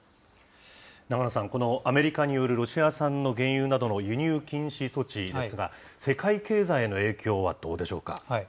永野さん、このロシア産の原油などの輸入禁止措置ですが、世界経済への影響はどうでしょうか。